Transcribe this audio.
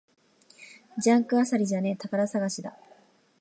ジャンク漁りじゃねえ、宝探しだ